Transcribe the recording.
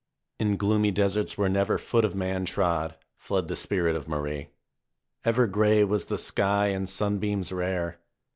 In gloomy deserts, where never foot of man trod, fled the spirit of Marie. Ever gray was the sky and sunbeams rare.